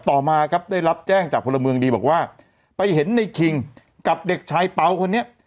ต่อมาครับได้รับแจ้งจากพลเมืองดีบอกว่าไปเห็นในคิงกับเด็กชายเป๋าคนนี้